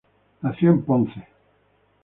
Nació en Ponce.